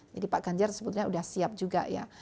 jadi pak ganjar sebetulnya sudah siap juga ya